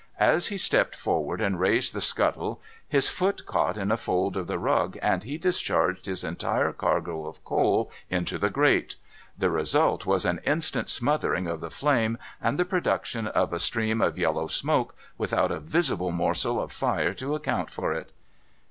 As he stepped forward and raised the scuttle, his foot caught in a fold of the rug, and he discharged his entire cargo of coals into the grate. The result was an instant smothering of the flame, and the production of a stream of yellow smoke, w ithout a visible morsel of fire to account for it.